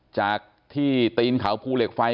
จากที่ตีนเขาภูเหล็กไฟ